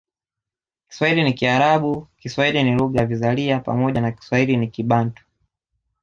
Kiswahili ni Kiarabu Kiswahili ni lugha ya vizalia pamoja na Kiswahili ni Kibantu